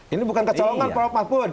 ini bukan kecolongan apa apa pun